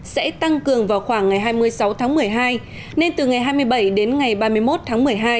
sẽ tăng cường vào khoảng ngày hai mươi sáu tháng một mươi hai nên từ ngày hai mươi bảy đến ngày ba mươi một tháng một mươi hai